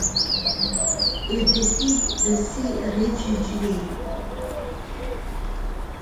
Ils décident de s'y réfugier.